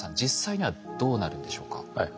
実際にはどうなるんでしょうか？